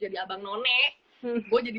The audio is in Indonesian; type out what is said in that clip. jadi abang none gue jadi